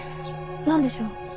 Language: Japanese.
何でしょう？